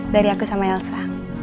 dari aku sama elsa